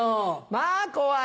まぁ怖い。